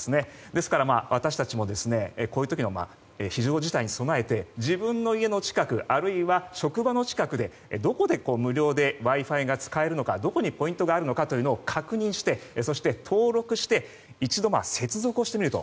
ですから私たちもこういう時の非常事態に備えて自分の家の近くあるいは職場の近くでどこで無料でＷｉ‐Ｆｉが使えるのかどこにポイントがあるのかを確認してそして、登録して一度接続をしてみる。